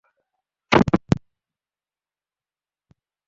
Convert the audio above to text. যদি উনি লিখতে না পারেন, তাইলে আঙুলের ছাপও দিতে পারবেন।